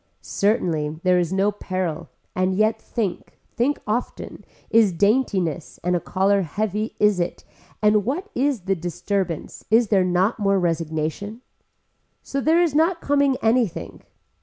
Certainly there is no peril and yet think, think often, is daintiness and a collar heavy is it and what is the disturbance, is there not more registration. So there is not coming anything.